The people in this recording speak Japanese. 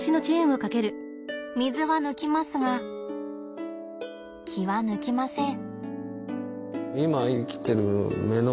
水は抜きますが気は抜きません。